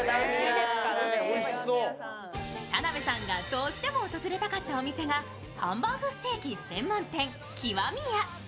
田辺さんがどうしても訪れたかったお店が、ハンバーグステーキ専門店、極味や。